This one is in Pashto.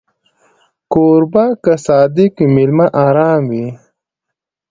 کوربه که صادق وي، مېلمه ارام وي.